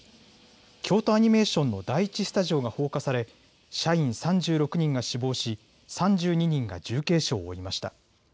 京都アニメーションの第１スタジオが放火され社員３６人が死亡し３２人が重軽傷を負いました。